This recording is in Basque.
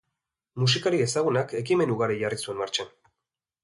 Musikari ezaguna ekimen ugari jarri zuen martxan.